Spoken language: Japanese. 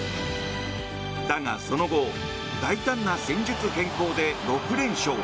だが、その後大胆な戦術変更で６連勝。